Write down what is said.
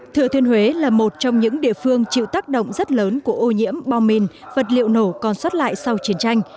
thừa thiên huế là một trong những địa phương chịu tác động rất lớn của ô nhiễm bom mìn vật liệu nổ còn sót lại sau chiến tranh